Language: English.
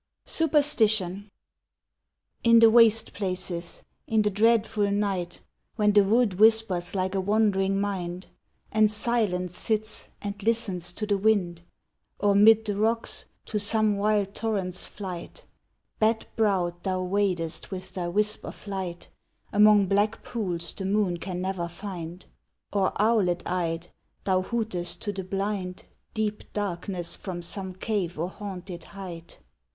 SUPERSTITION In the waste places, in the dreadful night, When the wood whispers like a wandering mind, And silence sits and listens to the wind, Or, 'mid the rocks, to some wild torrent's flight; Bat browed thou wadest with thy wisp of light Among black pools the moon can never find; Or, owlet eyed, thou hootest to the blind Deep darkness from some cave or haunted height.